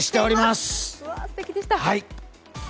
すてきでした！